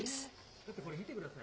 だってこれ、見てください。